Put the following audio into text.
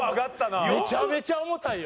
めちゃめちゃ重たいよ。